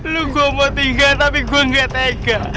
lo gue mau tinggal tapi gue gak tega